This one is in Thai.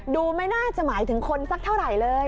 ไม่น่าจะหมายถึงคนสักเท่าไหร่เลย